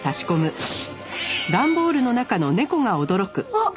あっ！